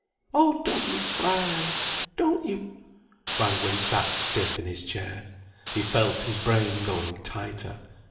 Oh, don't you cry, don't you—" Brangwen sat stiff in his chair. He felt his brain going tighter.